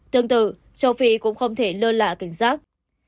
tương tự châu phi cũng không thể lơ lạ cảnh giác